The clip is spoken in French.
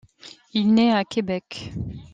Il naît à Québec.